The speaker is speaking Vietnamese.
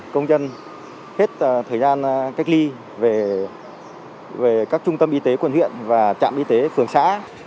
công dân hết thời gian cách ly về các trung tâm y tế quận huyện và trạm y tế phường xã